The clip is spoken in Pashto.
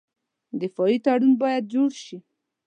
دفاعي تړون باید جوړ شي.